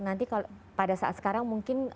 nanti kalau pada saat sekarang mungkin